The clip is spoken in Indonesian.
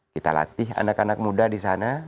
kita latih anak anak muda di sana